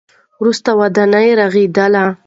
وروسته ودانۍ رغېدلې.